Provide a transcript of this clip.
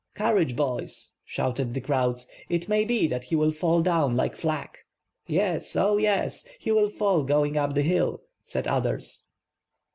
"Courage, boys," shouted the crowds ; "It may be that he will fall down like Flak." "Yes, oh yes; he will fall going up the hill," said others.